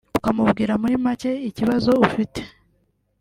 ukamubwira muri make ikibazo ufite